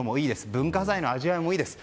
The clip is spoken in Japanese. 文化財の味わいもいいです。